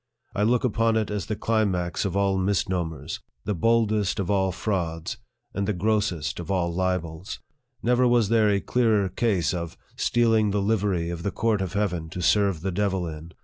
I look upon it as the cli max of all misnomers, the boldest of all frauds, and the grossest of all libels. Never was there a clearer case of "stealing the livery of the court of heaven LIFE OF FREDERICK DOUGLASS. 119 to serve the devil in."